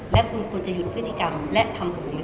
และคุณควรจะหยุดพฤติกรรมและทำถูกเป็นคนสุดท้าย